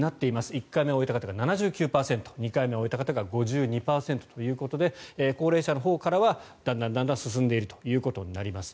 １回目終えた方が７９％２回目終えた方が５２％と高齢者のほうからはだんだん進んでいるということになります。